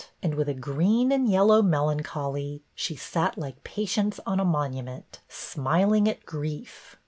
And with a green and yellow melancholy She sat like patience on a monument. Smiling at grief.